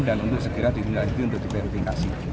dan untuk segera di dunia itu untuk diverifikasi